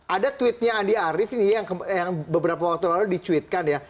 ada tweetnya andi arief ini yang beberapa waktu lalu dicuitkan ya